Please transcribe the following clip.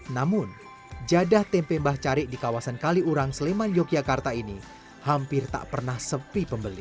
namun jadah tempe mbah cari di kawasan kaliurang sleman yogyakarta ini hampir tak pernah sepi pembeli